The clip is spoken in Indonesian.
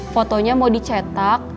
fotonya mau dicetak